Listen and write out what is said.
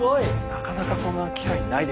なかなかこんな機会ないですよ。